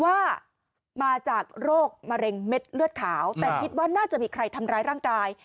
ว่ามาจากโรคมะเร็งเม็ดเลือดขาวแต่คิดว่าน่าจะมีใครทำร้ายร่างกาย